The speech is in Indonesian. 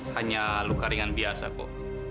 hanya luka ringan biasa kok